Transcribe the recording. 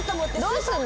どうすんの？